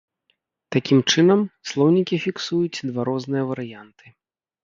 Такім чынам, слоўнікі фіксуюць два розныя варыянты.